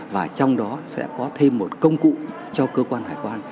và trong đó sẽ có thêm một công cụ cho cơ quan hải quan